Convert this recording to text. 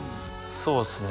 そうですね